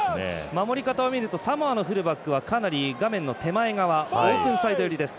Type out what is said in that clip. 守り方を見るとサモアのフルバックを見るとかなり画面の手前側オープンサイド寄りです。